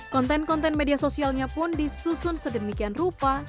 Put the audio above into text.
konten konten media sosialnya pun disusun sedemikian rupa